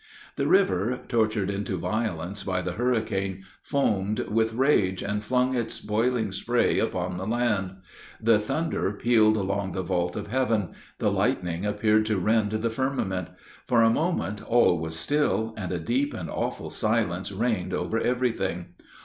"The river, tortured into violence by the hurricane, foamed with rage, and flung its boiling spray upon the land. The thunder pealed along the vault of heaven the lightning appeared to rend the firmament. For a moment all was still, and a deep and awful silence reigned over every thing.